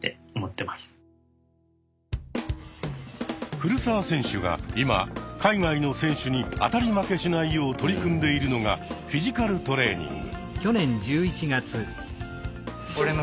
古澤選手が今海外の選手に当たり負けしないよう取り組んでいるのがフィジカルトレーニング。